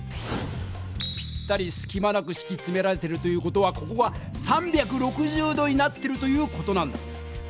ぴったりすきまなくしきつめられてるという事はここが３６０度になってるという事なんだ。